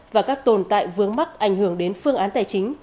và các tồn tại vướng mắc ảnh hưởng đến phương án tài chính